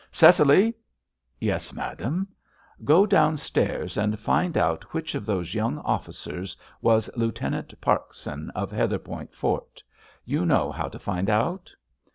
"Cecily!" "Yes, madame." "Go downstairs and find out which of those young officers was Lieutenant Parkson, of Heatherpoint Fort. You know how to find out?"